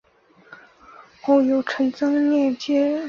后由陈增稔接任。